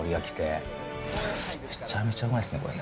めちゃめちゃうまいですね、これ。